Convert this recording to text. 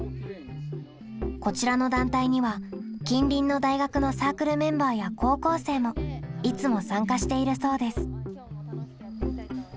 こちらの団体には近隣の大学のサークルメンバーや高校生もいつも参加しているそうです。